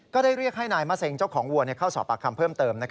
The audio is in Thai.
ก็ได้เรียกให้นายมะเซ็งเจ้าของวัวเข้าสอบปากคำเพิ่มเติม